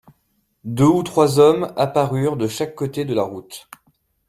Deux ou trois hommes apparurent de chaque côté de la route.